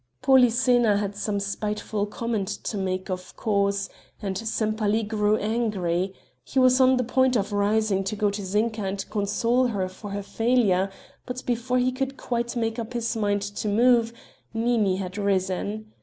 Polyxena had some spiteful comment to make, of course, and Sempaly grew angry; he was on the point of rising to go to Zinka and console her for her failure, but before he could quite make up his mind to move, Nini had risen.